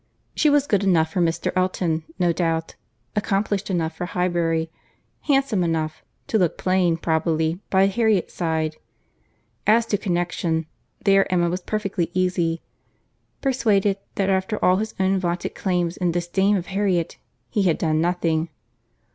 She was good enough for Mr. Elton, no doubt; accomplished enough for Highbury—handsome enough—to look plain, probably, by Harriet's side. As to connexion, there Emma was perfectly easy; persuaded, that after all his own vaunted claims and disdain of Harriet, he had done nothing.